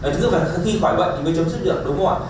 tức là khi khỏi bệnh thì mới chấm dứt được đúng không ạ